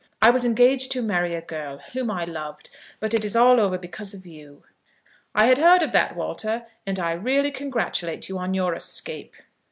I was engaged to marry a girl, whom I loved; but it is all over, because of you." "I had heard of that, Walter, and I really congratulate you on your escape."